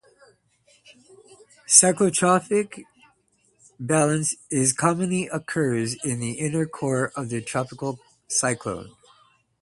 Cyclostrophic balance also commonly occurs in the inner core of a tropical cyclone.